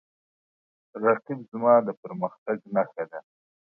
رقیب زما د پرمختګ نښه ده